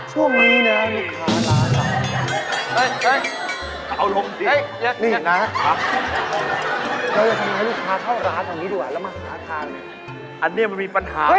ช่วงนี้แน่มีค้าร้าน